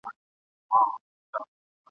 نور مي د ژوند سفر لنډ کړی دی منزل راغلی ..